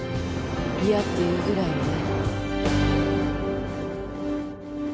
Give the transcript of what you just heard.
嫌っていうぐらいにね。